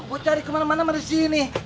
mau cari kemana mana mana sih ini